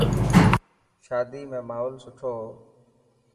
شادي ۾ ماحول سٺو هو.